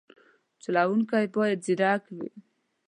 چلوونکی باید ځیرک وي.